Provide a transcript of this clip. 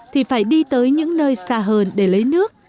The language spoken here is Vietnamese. thì phải đi tới những nơi xa hơn để lấy nước